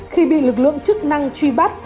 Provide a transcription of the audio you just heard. khi bị lực lượng chức năng truy bắt